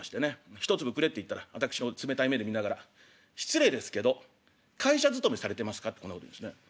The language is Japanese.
１粒くれって言ったら私を冷たい目で見ながら「失礼ですけど会社勤めされてますか？」ってこんなこと言うんですね。